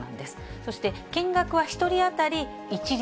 そして金額は１人当たり一律